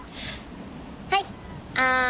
はいあん。